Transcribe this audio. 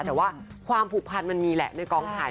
แต่ว่าความผูกพันมันมีแหละในกองถ่าย